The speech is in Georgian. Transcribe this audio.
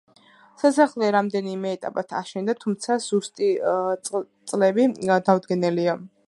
სასახლე რამდენიმე ეტაპად აშენდა, თუმცა ზუსტი წლები დაუდგენელია.